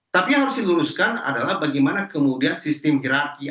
tapi yang harus diluruskan adalah bagaimana kemudian sistem hiraki